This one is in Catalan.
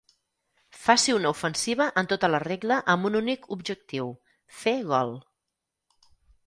Faci una ofensiva en tota la regla amb un únic objectiu: fer gol.